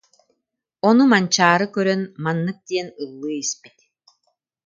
Ону Манчаары көрөн, маннык диэн ыллыы испит